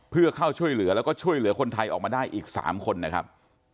เพื่อเข้าช่วยเหลือแล้วก็ช่วยเหลือคนไทยออกมาได้อีก๓คนนะครับ